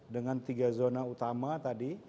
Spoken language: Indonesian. dengan tiga zona utama tadi